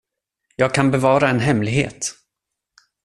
Jag kan bevara en hemlighet.